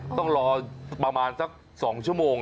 ต้องรอประมาณสัก๒ชั่วโมง